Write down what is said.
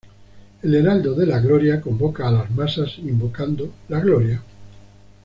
El Heraldo de la Gloria convoca a las masas invocando la Gloria.